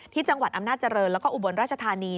จังหวัดอำนาจริงแล้วก็อุบลราชธานี